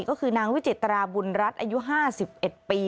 ก็คือนางวิจิตราบุญรัฐอายุ๕๑ปี